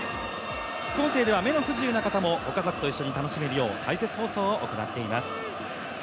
副音声では目の不自由な方もご家族と楽しめるよう解説放送を行っています。